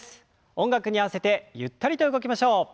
音楽に合わせてゆったりと動きましょう。